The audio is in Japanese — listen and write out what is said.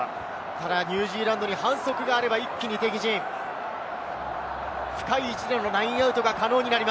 ただ、ニュージーランドに反則があれば一気に敵陣深い位置でのラインアウトが可能になり